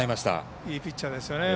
いいピッチャーですよね。